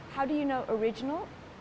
bagaimana kamu tahu orisinil